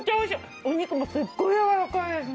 お肉もすっごいやわらかいですね。